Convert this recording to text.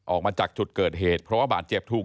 ออกมาจากจุดเกิดเหตุเพราะว่าบาดเจ็บถูก